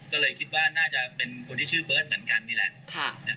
ก็เลยคิดว่าน่าจะเป็นคนที่ชื่อเบิร์ตเหมือนกันนี่แหละ